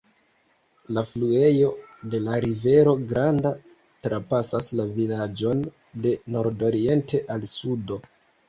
La fluejo de la Rivero Granda trapasas la vilaĝon de nordoriente al sudo.